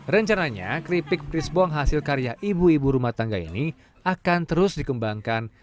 rencananya keripik presbong hasil karya ibu ibu rumah tangga ini akan terus dikembangkan